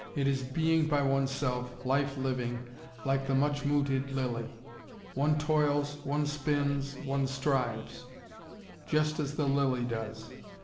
It is being by oneself, life living, like the much mooted lily. One toils, one spins, one strives: just as the lily does.